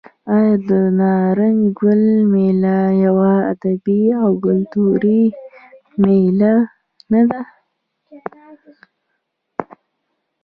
آیا د نارنج ګل میله یوه ادبي او کلتوري میله نه ده؟